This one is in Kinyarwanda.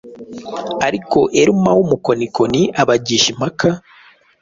Ariko Eruma w’umukonikoni abagisha impaka,